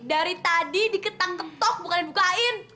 dari tadi diketang ketok bukan dibukain